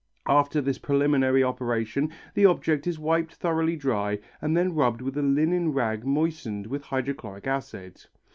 After this preliminary operation the object is wiped thoroughly dry and then rubbed with a linen rag moistened with hydrochloric acid.